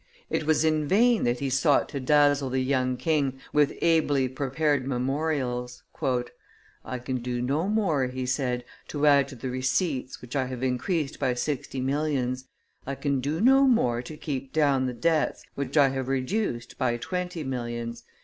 It was in vain that he sought to dazzle the young king with ably prepared memorials. "I can do no more," he said, "to add to the receipts, which I have increased by sixty millions; I can do no more to keep down the. debts, which I have reduced by twenty millions.